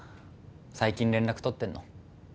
最近連絡取ってんの？